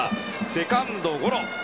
セカンドゴロ。